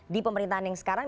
di pemerintahan yang sekarang